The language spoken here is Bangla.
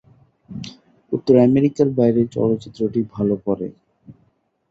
উত্তর আমেরিকার বাইরে চলচ্চিত্রটি ভালো করে।